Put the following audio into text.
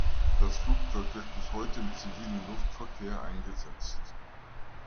Das Flugzeug wird bis heute im zivilen Luftverkehr eingesetzt.